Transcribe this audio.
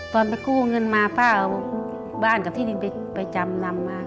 ไปกู้เงินมาป้าเอาบ้านกับที่ดินไปจำนำมา